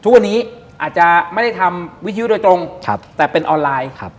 ทุกวันนี้อาจจะไม่ได้ทำวิทยุโดยตรงแต่เป็นออนไลน์